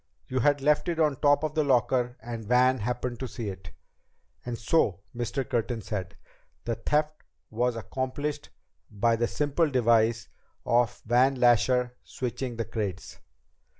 You had left it on top of your locker and Van happened to see it." "And so," Mr. Curtin said, "the theft was accomplished by the simple device of Van Lasher switching the crates."